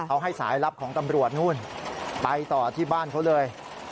เอาให้สายลับของตำรวจนู่นไปต่อที่บ้านเขาเลย